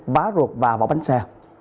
vá ruột và vào bánh xe